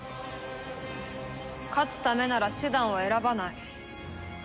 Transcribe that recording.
勝つためなら手段を選ばない。